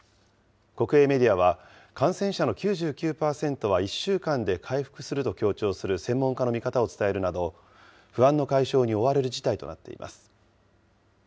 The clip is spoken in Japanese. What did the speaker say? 国営メディアは、感染者の９９％は１週間で回復すると強調する専門家の見方を伝えるなど、不安の解消に追われる事態となっています。